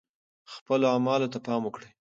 خپلو اعمالو ته پام وکړئ.